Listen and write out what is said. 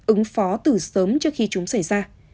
ứng phó từ sớm trước khi chúng xảy ra